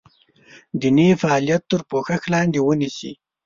دیني فعالیت تر پوښښ لاندې ونیسي.